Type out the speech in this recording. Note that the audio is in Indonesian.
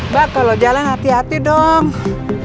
bakal lo jalan hati hati dong